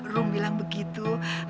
rum bilang begitu